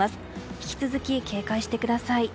引き続き警戒してください。